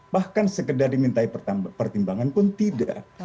bahkan sekedar dimintai pertimbangan pun tidak